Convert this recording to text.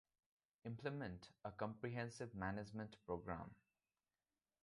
Implement a comprehensive management program.